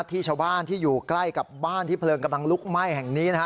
ที่ชาวบ้านที่อยู่ใกล้กับบ้านที่เพลิงกำลังลุกไหม้แห่งนี้นะฮะ